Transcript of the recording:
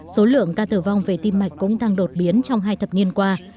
số lượng ca tử vong về tim mạch cũng tăng đột biến trong hai thập niên qua